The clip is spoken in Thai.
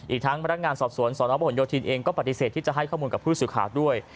อีกทั้งมาตรายการสอบสวนศภโยธินเองปฏิเสธที่จะให้ข้อมูลกับผู้สุขาดด้วย